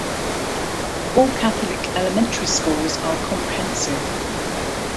All Catholic elementary schools are comprehensive.